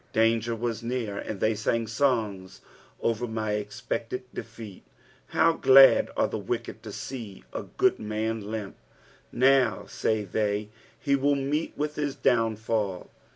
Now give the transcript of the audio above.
Danger was near, ana the; sang songs over my expected defeat. How glad are the wicked to see a good man limp I " Kow," say they, " he will meet with his downfall."